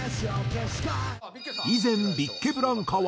以前ビッケブランカは。